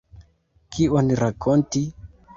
Kion rakonti?